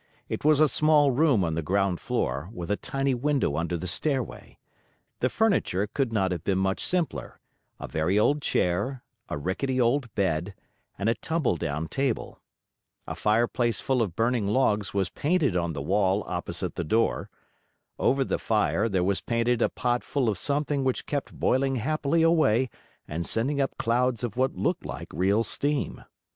It was a small room on the ground floor, with a tiny window under the stairway. The furniture could not have been much simpler: a very old chair, a rickety old bed, and a tumble down table. A fireplace full of burning logs was painted on the wall opposite the door. Over the fire, there was painted a pot full of something which kept boiling happily away and sending up clouds of what looked like real steam.